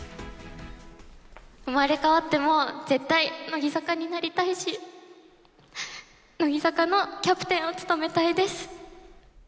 生まれ変わっても絶対、乃木坂になりたいし、乃木坂のキャプテンを務めたいです。